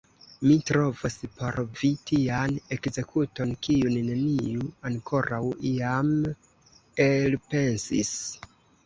Mi trovos por vi tian ekzekuton, kiun neniu ankoraŭ iam elpensis!